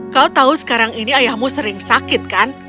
kau tahu sekarang ini ayahmu sering sakit kan